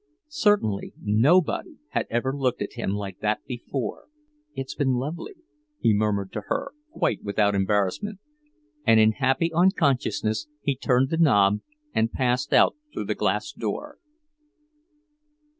Certainly, nobody had ever looked at him like that before. "It's been lovely," he murmured to her, quite without embarrassment, and in happy unconsciousness he turned the knob and passed out through the glass door.